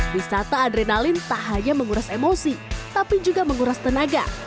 wisata adrenalin tak hanya menguras emosi tapi juga menguras tenaga